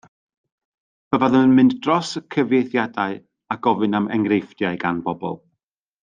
Byddaf yn mynd dros y cyfieithiadau a gofyn am enghreifftiau gan bobl.